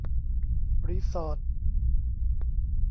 รีสอร์ท